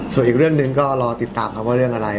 ส่วนอีกเรื่องหนึ่งก็รอติดตามครับว่าเรื่องอะไร